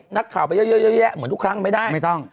นักข่าวไปเยอะเยอะแยะเหมือนทุกครั้งไม่ได้ไม่ต้อง